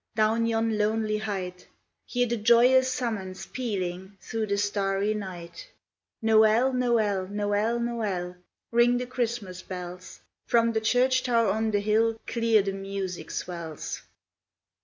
Down yon lonely height Hear the joyous summons pealing Through the starry night. Nod! Noel! Noel! Noel! Ring the Christmas bells ; From the church tower on the hill Clear the music swells.